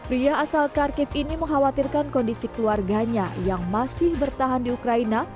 ria asal kharkiv ini mengkhawatirkan kondisi keluarganya yang masih bertahan di ukraina